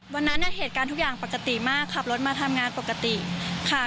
วันนั้นเหตุการณ์ทุกอย่างปกติมากขับรถมาทำงานปกติค่ะ